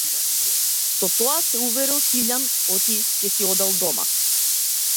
Со тоа се уверил Силјан оти ќе си одел дома.